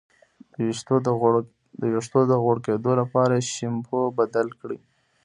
د ویښتو د غوړ کیدو لپاره شیمپو بدل کړئ